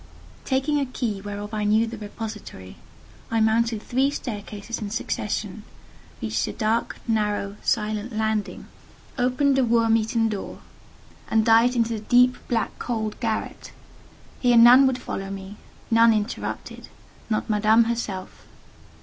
Taking a key whereof I knew the repository, I mounted three staircases in succession, reached a dark, narrow, silent landing, opened a worm eaten door, and dived into the deep, black, cold garret. Here none would follow me—none interrupt—not Madame herself.